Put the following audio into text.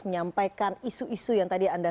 menyampaikan isu isu yang tadi anda